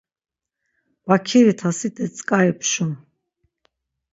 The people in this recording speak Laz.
Baǩiri t̆asite tzǩari pşum.